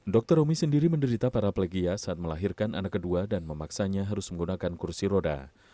dr romi sendiri menderita paraplegia saat melahirkan anak kedua dan memaksanya harus menggunakan kursi roda